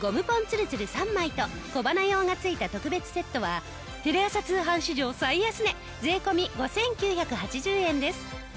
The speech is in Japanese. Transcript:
つるつる３枚と小鼻用がついた特別セットはテレ朝通販史上最安値税込５９８０円です。